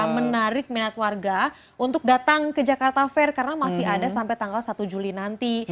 menarik minat warga untuk datang ke jakarta fair karena masih ada sampai tanggal satu juli nanti